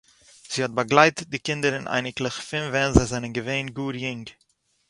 זי האָט באַגלייט די קינדער און אייניקלעך פון ווען זיי זענען געווען גאָר יונג